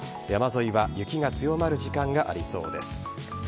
山沿いは雪が強まる時間がありそうです。